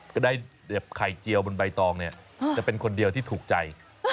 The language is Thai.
ก็ได้ไข่เจียวบนใบตองเนี่ยจะเป็นคนเดียวที่ถูกใจ